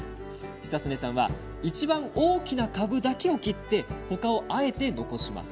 久恒さんはいちばん大きな株だけを切って他を、あえて残します。